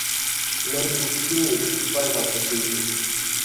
Même Pouchkine ne trouve pas grâce à ses yeux.